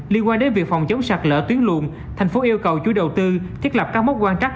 liên quan đến việc phòng chống sạt lở tuyến luồng tp hcm yêu cầu chủ đầu tư thiết lập các mốc quan trắc